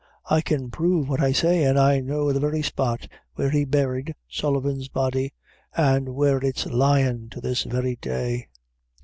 I can prove what I say; an' I know the very spot where he buried Sullivan's body, an' where it's lyin' to this very day."